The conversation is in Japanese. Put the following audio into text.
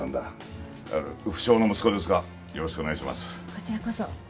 こちらこそ。